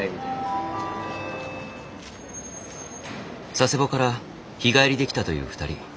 佐世保から日帰りで来たという２人。